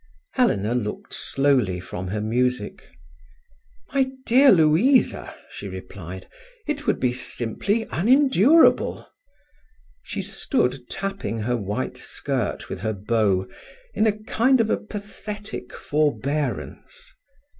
Helena looked slowly from her music. "My dear Louisa," she replied, "it would be simply unendurable." She stood tapping her white skirt with her bow in a kind of a pathetic forbearance.